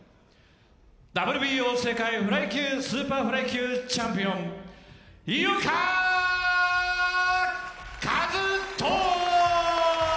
ＷＢＯ世界スーパーフライ級チャンピオン、井岡一翔！